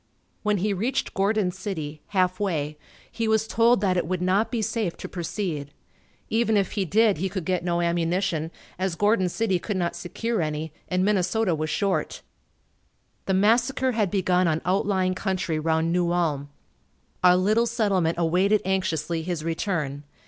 When he reached Gordon City, half way, he was told that it would not be safe to proceed. Even if he did he could get no ammunition, as Gordon City could not secure any and Minnesota was short. The massacre had begun on outlying country round New Ulm. Our little settlement awaited anxiously his return.